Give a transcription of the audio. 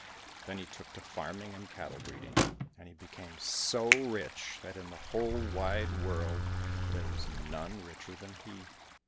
Then he took to farming and cattle breeding, and he became so rich that in the whole wide world there was none richer than he.